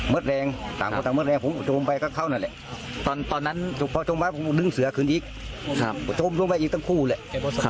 เมื่อแรงต่างคนตามกระเมืองแรงผมจมไปตอนนั้นเพราะจมให้ดึงเสือคืนอีกจมออกกับเขานะคะ